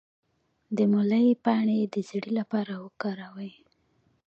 د مولی پاڼې د زیړي لپاره وکاروئ